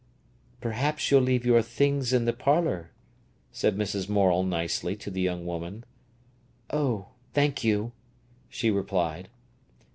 "Perhaps you'll leave your things in the parlour," said Mrs. Morel nicely to the young woman. "Oh, thank you," she replied.